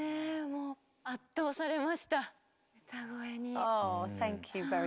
もう圧倒されました歌声に。